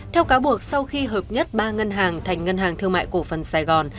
theo cáo buộc sau khi hợp nhất ba ngân hàng thành ngân hàng thương mại cổ phần sài gòn